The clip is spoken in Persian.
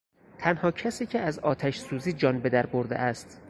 تنها کسی که از آتش سوزی جان بهدر برده است